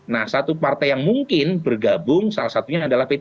nah satu partai yang mungkin bergabung salah satunya adalah p tiga